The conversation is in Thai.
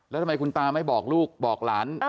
แล้วทำไมคุณตาไม่บอกลูกบอกหลาน